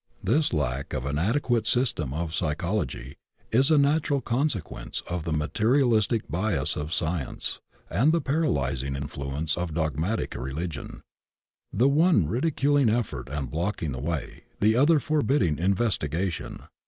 This lack of an adequate system of Psychology is a natural consequence of the materialistic bias of Science and the paralyzing influence of dogmatic religion; the one ridiculing effort and blocking the way, the other forbidding investigation.